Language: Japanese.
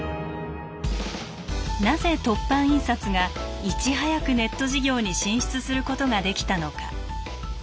なぜ凸版印刷がいち早くネット事業に進出することができたのか。